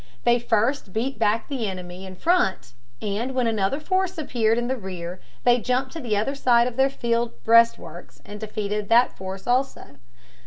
They first beat back the enemy in front, and when another force appeared in the rear they jumped to the other side of their field breastworks and defeated that force also.